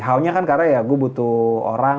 how nya kan karena ya gue butuh orang